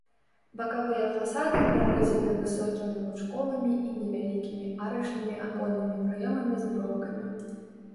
Бакавыя фасады прарэзаны высокімі лучковымі і невялікімі арачнымі аконнымі праёмамі з броўкамі.